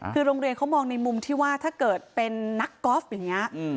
คือโรงเรียนเขามองในมุมที่ว่าถ้าเกิดเป็นนักกอล์ฟอย่างนี้